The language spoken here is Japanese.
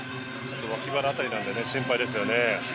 脇腹辺りなので心配ですよね。